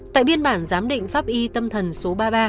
tại biên bản giám định pháp y tâm thần số ba mươi ba